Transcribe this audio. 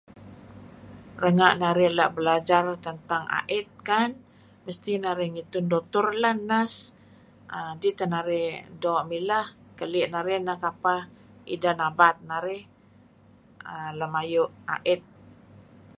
Renga' narih la' belajar tentang a'it kan mesti narih ngitun dutur leh, nurse dih teh narih doo' mileh. Keli' narih kapeh ida nabat narih lem ayu' a'it.